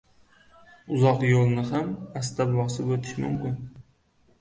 • Uzoq yo‘lni ham asta bosib o‘tish mumkin.